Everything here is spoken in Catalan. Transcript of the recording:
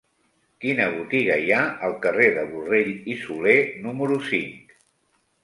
Quina botiga hi ha al carrer de Borrell i Soler número cinc?